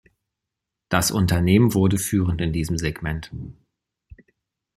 Das Unternehmen wurde führend in diesem Segment.